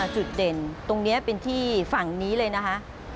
จุดเด่นตรงนี้เป็นที่ฝั่งนี้เลยนะคะ